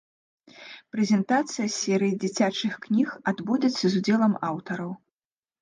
Прэзентацыя серыі дзіцячых кніг адбудзецца з удзелам аўтараў.